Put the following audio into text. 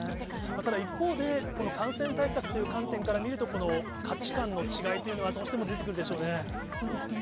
ただ、一方で、この感染対策という観点から見ると、この価値観の違いというのはそうですね。